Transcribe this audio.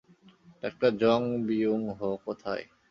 ডাঃ Jung Byung-ho কোথায়?